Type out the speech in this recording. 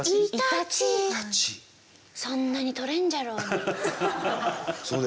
そんなにとれんじゃろうに。